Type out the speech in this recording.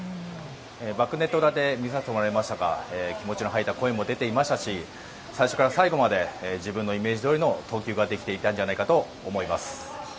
バックネット裏で見させてもらいましたが気持ちの入った声も出ていましたし最初から最後まで自分のイメージどおりの投球ができていたと思います。